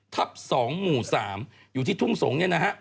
๕๗ทับ๒หมู่๓อยู่ที่ทุ่งสงฯ